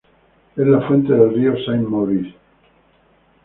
Es la fuente del río Saint-Maurice.